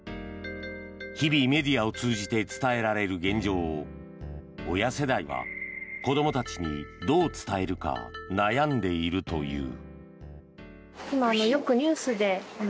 日々、メディアを通じて伝えられる現状を親世代は子どもたちにどう伝えるか悩んでいるという。